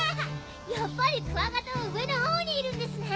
やっぱりクワガタは上のほうにいるんですね。